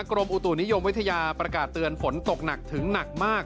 กรมอุตุนิยมวิทยาประกาศเตือนฝนตกหนักถึงหนักมาก